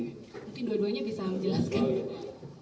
mungkin dua duanya bisa menjelaskan